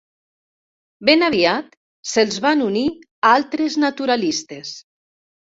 Ben aviat se'ls van unir altres naturalistes.